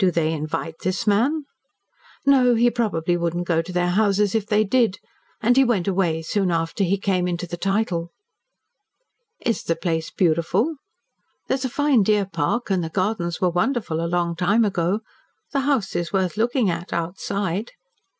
"Do they invite this man?" "No. He probably would not go to their houses if they did. And he went away soon after he came into the title." "Is the place beautiful?" "There is a fine deer park, and the gardens were wonderful a long time ago. The house is worth looking at outside."